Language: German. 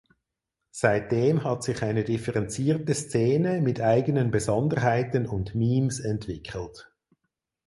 Seitdem hat sich eine differenzierte Szene mit eigenen Besonderheiten und Memes entwickelt.